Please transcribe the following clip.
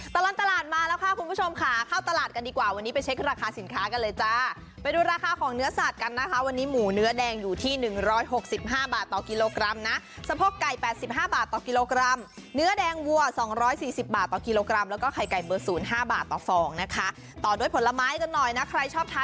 ตลอดตลาดมาแล้วค่ะคุณผู้ชมค่ะเข้าตลาดกันดีกว่าวันนี้ไปเช็คราคาสินค้ากันเลยจ้าไปดูราคาของเนื้อสัตว์กันนะคะวันนี้หมูเนื้อแดงอยู่ที่หนึ่งร้อยหกสิบห้าบาทต่อกิโลกรัมนะสะพกไก่แปดสิบห้าบาทต่อกิโลกรัมเนื้อแดงวัวสองร้อยสี่สิบบาทต่อกิโลกรัมแล้วก็ไข่ไก่เบอร์ศูนย์ห้า